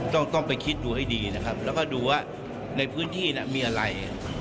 ต้องต้องไปคิดดูให้ดีนะครับแล้วก็ดูว่าในพื้นที่มีอะไร